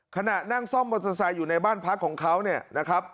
ขณะนั่งซ่อมมอเตอร์ไซค์อยู่ในบ้านพักของเขาเนี่ยนะครับ